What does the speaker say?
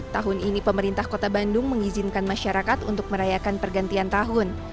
tahun ini pemerintah kota bandung mengizinkan masyarakat untuk merayakan pergantian tahun